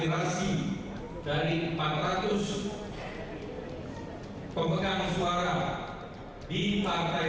maka dengan ini saya mengatakan